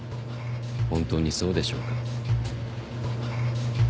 本当にそうでしょうか？